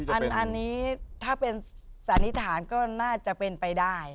อันนี้ถ้าเป็นสันนิษฐานก็น่าจะเป็นไปได้